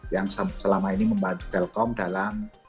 yang selama ini membantu telkom dalam